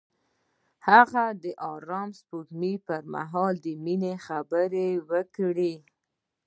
هغه د آرام سپوږمۍ پر مهال د مینې خبرې وکړې.